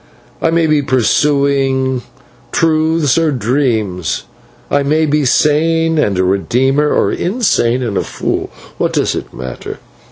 I may be pursuing truths or dreams, I may be sane and a redeemer, or insane and a fool. What does it matter?